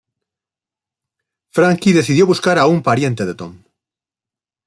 Franky decidió buscar a un pariente de Tom.